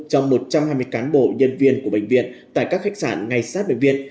cho một trăm hai mươi cán bộ nhân viên của bệnh viện tại các khách sạn ngay sát bệnh viện